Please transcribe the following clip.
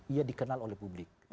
ia dikenal oleh publik